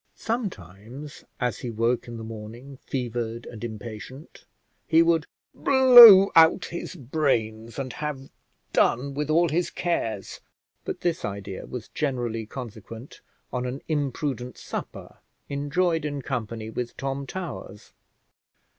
Sometimes as he woke in the morning fevered and impatient, he would blow out his brains and have done with all his cares; but this idea was generally consequent on an imprudent supper enjoyed in company with Tom Towers.